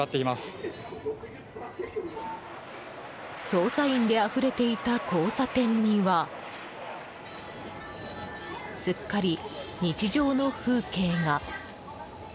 捜査員であふれていた交差点にはすっかり日常の風景が。